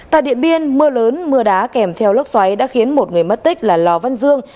tại điện biên mưa lớn mưa đá kèm theo lốc xoáy đã khiến một người mất tích là lò văn dương